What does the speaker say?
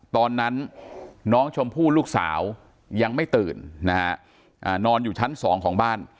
ตอนนั้นน้องชมพู่ลูกสาวยังไม่ตื่นนะฮะนอนอยู่ชั้น๒ของบ้าน